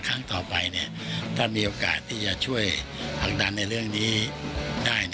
ครั้งต่อไปถ้ามีโอกาสที่จะช่วยผลักดันในเรื่องนี้ได้